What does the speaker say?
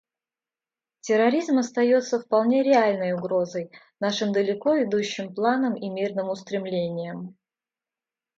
Терроризм остается вполне реальной угрозой нашим далеко идущим планам и мирным устремлениям.